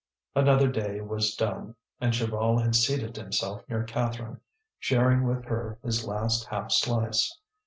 Another day was done, and Chaval had seated himself near Catherine, sharing with her his last half slice.